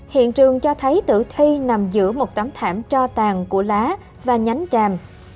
hiện trường cho thấy tử thi nằm giữa một tấm thảm cho tàn của lá và nhánh tràm